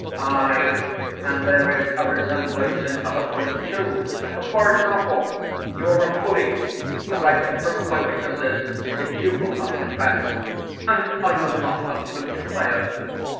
Aye, and there is a resemblance in other points too. For example, you are a bully, as I can prove by witnesses, if you will not confess. And are you not a flute player?